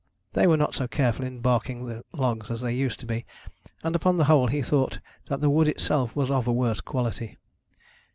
They were not so careful in barking the logs as they used to be, and upon the whole he thought that the wood itself was of a worse quality.